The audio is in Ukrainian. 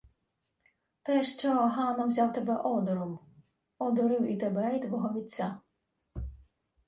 — Те, що Гано взяв тебе одуром. Одурив і тебе, й твого вітця.